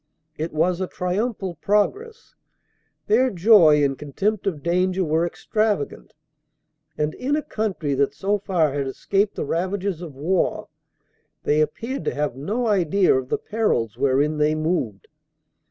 It was a triumphal pro gress. Their joy and contempt of danger were extravagant, and, in a country that so far had escaped the ravages of war, they appeared to have no idea of the perils wherein they moved.